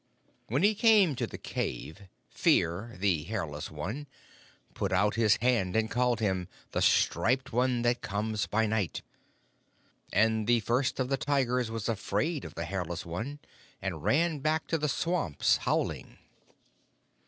_ When he came to the cave, Fear, the Hairless One, put out his hand and called him 'The Striped One that comes by night,' and the First of the Tigers was afraid of the Hairless One, and ran back to the swamps howling."